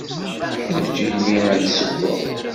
Eǧǧ-iyi ad d-ssewweɣ.